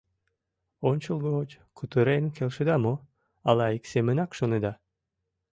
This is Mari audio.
— Ончылгоч кутырен келшеда мо, ала ик семынак шонеда?